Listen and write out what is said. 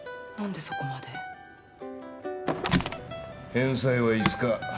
返済は５日。